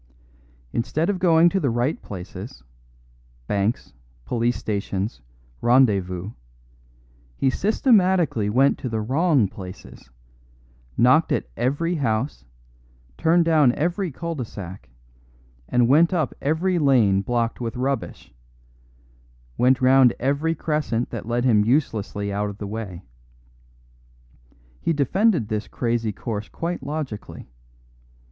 Instead of going to the right places banks, police stations, rendezvous he systematically went to the wrong places; knocked at every empty house, turned down every cul de sac, went up every lane blocked with rubbish, went round every crescent that led him uselessly out of the way. He defended this crazy course quite logically.